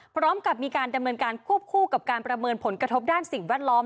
พร้อมกับมีการดำเนินการควบคู่กับการประเมินผลกระทบด้านสิ่งแวดล้อม